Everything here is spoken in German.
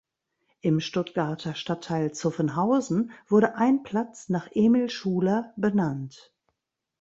Im Stuttgarter Stadtteil Zuffenhausen wurde ein Platz nach Emil Schuler benannt.